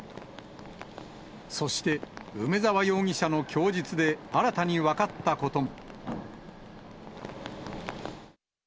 そして、梅沢容疑者の供述で、新たに分かったことも。